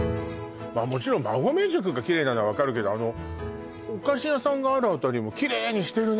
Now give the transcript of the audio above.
もちろん馬籠宿がきれいなのはわかるけどお菓子屋さんがあるあたりもきれいにしてるね